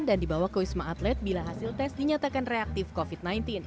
dan dibawa ke wisma atlet bila hasil tes dinyatakan reaktif covid sembilan belas